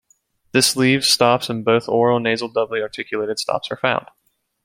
This leaves stops, and both oral and nasal doubly articulated stops are found.